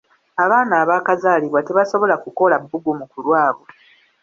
Abaana abaakazalibwa tebasobola kukola bbugumu ku lwabwe.